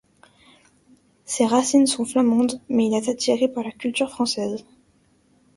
Ses racines sont flamandes mais il est attiré par la culture française.